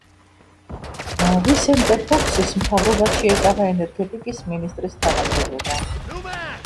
ვისენტე ფოქსის მთავრობაში ეკავა ენერგეტიკის მინისტრის თანამდებობა.